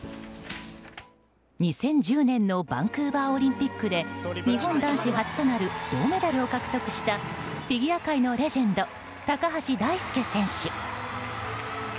２０１０年のバンクーバーオリンピックで日本男子初となる銅メダルを獲得したフィギュア界のレジェンド高橋大輔選手。